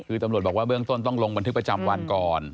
คือตำรวจบอกว่าเบื้องต้นต้องลงบันทึกประจำวันก่อน